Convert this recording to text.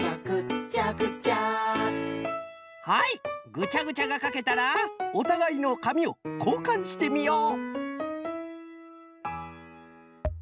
ぐちゃぐちゃがかけたらおたがいのかみをこうかんしてみよう。